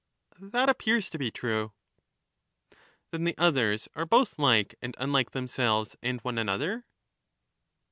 That appears to be true. Then the others are both like and unlike themselves and one another?